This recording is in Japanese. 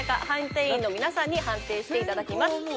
判定員の皆さんに判定して頂きます。